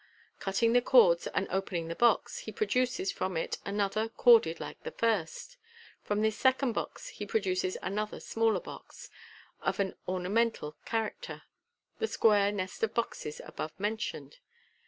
Cutting the cords, and opening the box, he produces from it another, corded like the first From this second box, he produces another smaller box, of an ornamental character (the square nest of boxes above mentioned).